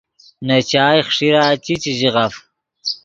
نے چائے خݰیرا چی، چے ژییف